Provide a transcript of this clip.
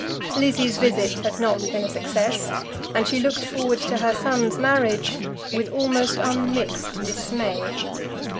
Lizzie's visit had not been a success, and she looked forward to her son's marriage with almost unmixed dismay.